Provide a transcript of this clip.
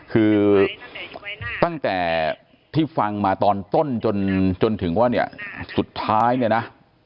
คือตั้งแต่ที่ฟังมาตอนต้นจนจนถึงว่าเนี่ยสุดท้ายเนี่ยนะ